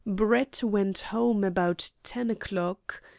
Brett went home about ten o'clock.